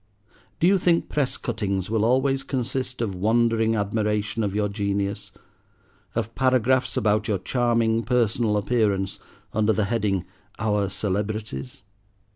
Do you think press cuttings will always consist of wondering admiration of your genius, of paragraphs about your charming personal appearance under the heading, 'Our Celebrities'?